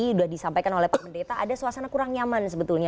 sudah disampaikan oleh pak mendeta ada suasana kurang nyaman sebetulnya